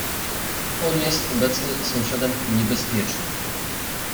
"On jest obecnie sąsiadem niebezpiecznym."